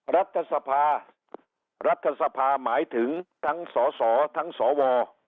รัฐธสภารัฐธสภาหมายถึงทั้งส่อส่อทั้งส่อวอ